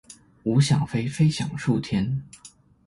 吾想飛非想觸天